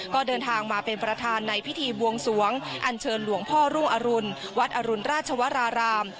ก็เดินทางมาเป็นประธานในพิธีบวงสวงอันเชิญหลวงพ่อรุ่งอรุณวัดอรุณราชวราราม